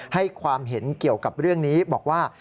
ให้ความเห็นเกี่ยวกับเรื่องนี้บอกว่า